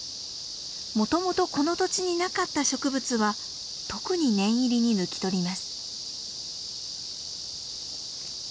もともとこの土地になかった植物は特に念入りに抜き取ります。